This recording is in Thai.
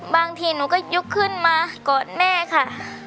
บางทีหนูก็ยกขึ้นมากอดแม่ค่ะ